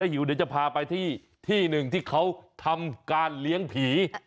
หิวเดี๋ยวจะพาไปที่ที่หนึ่งที่เขาทำการเลี้ยงผี